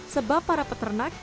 sebab para peternak tertentu